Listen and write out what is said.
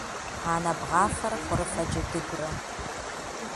Анэ бгъафэрэ хъурыфэ джэдыгурэ.